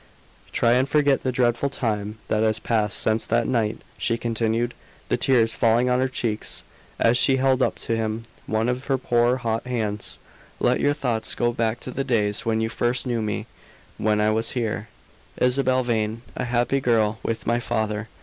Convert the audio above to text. "Try and forget the dreadful time that has passed since that night!" she continued, the tears falling on her cheeks, as she held up to him one of her poor hot hands. "Let your thoughts go back to the days when you first knew me; when I was here, Isabel Vane, a happy girl with my father.